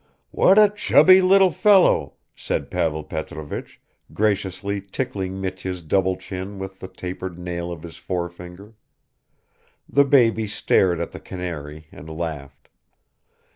"What a chubby little fellow," said Pavel Petrovich, graciously tickling Mitya's double chin with the tapering nail of his forefinger; the baby stared at the canary and laughed.